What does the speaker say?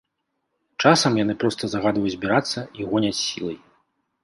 Часам яны проста загадваюць збірацца і гоняць сілай.